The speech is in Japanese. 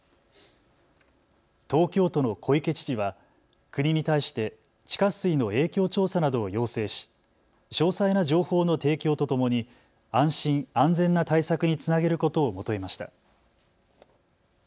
東京都の小池知事は国に対して地下水の影響調査などを要請し詳細な情報の提供とともに安心安全な対策につなげることを求めました。